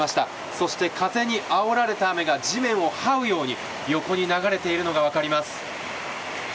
そして、風にあおられた雨が地面をはうように横に流れているのが分かります。